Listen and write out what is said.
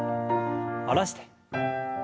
下ろして。